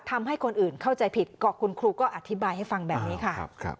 ทำให้คนอื่นเข้าใจผิดก็คุณครูก็อธิบายให้ฟังแบบนี้ค่ะ